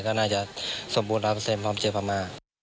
ก็น่าจะสมบูร๑๐๐พร้อมเจอพม่า